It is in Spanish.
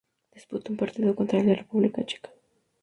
Disputó un partido contra la República Checa.